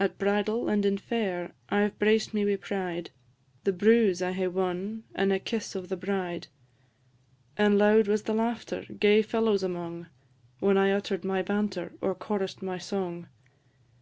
At bridal and in fair I 've braced me wi' pride, The bruse I hae won, and a kiss of the bride; And loud was the laughter, gay fellows among, When I utter'd my banter, or chorus'd my song.